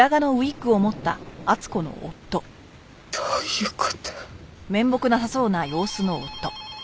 どういう事？